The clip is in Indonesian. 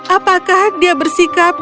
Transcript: apakah dia bersikap